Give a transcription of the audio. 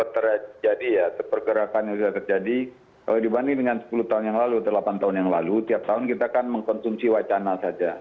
terjadi ya pergerakan yang sudah terjadi kalau dibanding dengan sepuluh tahun yang lalu atau delapan tahun yang lalu tiap tahun kita kan mengkonsumsi wacana saja